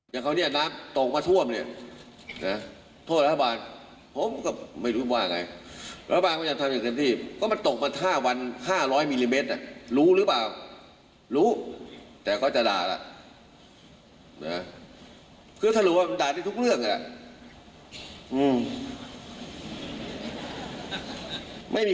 ต่อให้เขาไปเรียกใครอยู่ข้างนอกกลับมาก็ทำไม่ได้